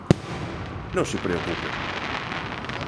Non se preocupe.